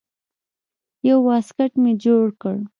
يو واسکټ مې جوړ کړ.